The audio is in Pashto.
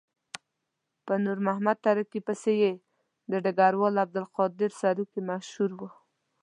په نور محمد تره کي پسې یې د ډګروال عبدالقادر سروکي مشهور وو.